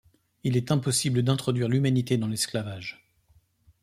Il est impossible d'introduire l'humanité dans l'esclavage.